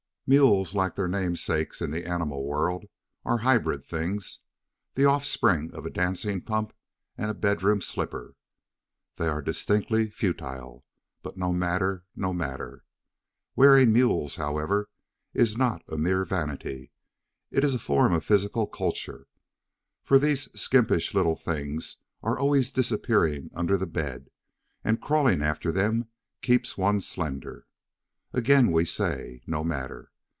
Mules, like their namesakes in the animal world, are hybrid things, the offspring of a dancing pump and a bedroom slipper. They are distinctly futile, but no matter, no matter. Wearing mules, however, is not a mere vanity; it is a form of physical culture, for these skimpish little things are always disappearing under the bed, and crawling after them keeps one slender. Again we say, no matter.